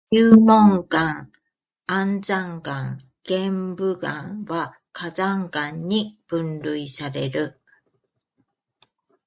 流紋岩、安山岩、玄武岩は火山岩に分類される。